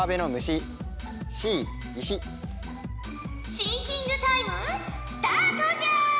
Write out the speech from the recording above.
シンキングタイムスタートじゃ！